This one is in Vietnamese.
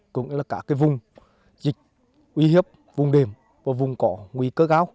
cũng là cả vùng dịch uy hiếp vùng đềm và vùng cỏ nguy cơ gáo